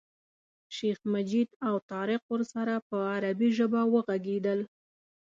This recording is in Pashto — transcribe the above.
شیخ مجید او طارق ورسره په عربي ژبه وغږېدل.